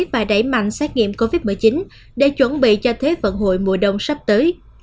và đẩy mạnh xét nghiệm covid một mươi chín để chuẩn bị cho thế vận hội mùa đông sắp tới